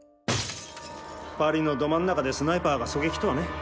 パリのど真ん中でスナイパーが狙撃とはね。